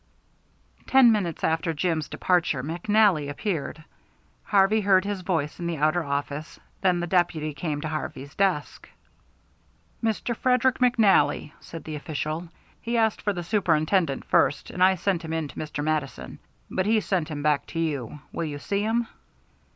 Ten minutes after Jim's departure McNally appeared. Harvey heard his voice in the outer office, then the deputy came to Harvey's desk. "Mr. Frederick McNally," said the official. "He asked for the Superintendent first, and I sent him in to Mr. Mattison, but he sent him back to you. Will you see him?"